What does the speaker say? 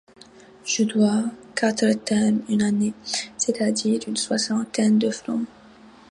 Je dois quatre termes, une année! c’est-à-dire une soixantaine de francs.